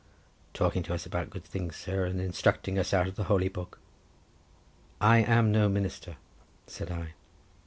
"Talking to us about good things, sir, and instructing us out of the Holy Book." "I am no minister," said I.